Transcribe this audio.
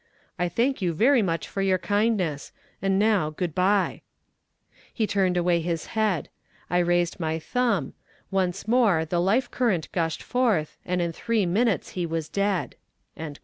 'I thank you very much for your kindness, and now, good bye.' He turned away his head. I raised my thumb once more the life current gushed forth, and in three minutes he was dead."